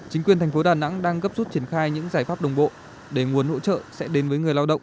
chính quyền thành phố đà nẵng đang gấp rút triển khai những giải pháp đồng bộ để nguồn hỗ trợ sẽ đến với người lao động